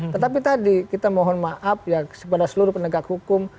tetapi tadi kita mohon maaf ya kepada seluruh penegak hukum